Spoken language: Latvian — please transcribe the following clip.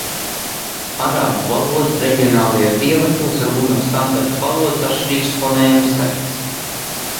Arābu valodas reģionālajos dialektos var būt no standarta valodas atšķirīgs fonēmu skaits.